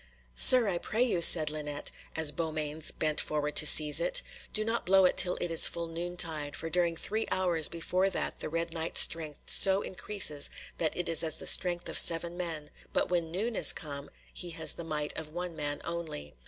"Sir, I pray you," said Linet, as Beaumains bent forward to seize it, "do not blow it till it is full noontide, for during three hours before that the Red Knight's strength so increases that it is as the strength of seven men; but when noon is come, he has the might of one man only."